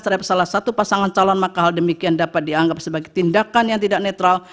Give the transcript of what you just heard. terhadap salah satu pasangan calon maka hal demikian dapat dianggap sebagai tindakan yang tidak netral